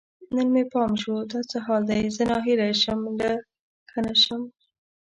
نن مې پام شو، دا څه حال دی؟ زه ناهیلی شم که نه شم